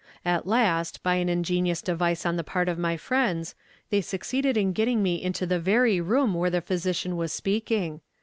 At last, by an ingenious device on the part of my friends, they succeeded in getting me nito the very room where the physician was speakn.g.